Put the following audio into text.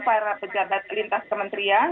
para pejabat lintas kementerian